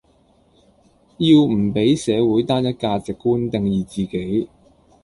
要唔比社會單一價值觀定義自己